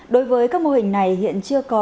đối với các mô hình này hiện chưa có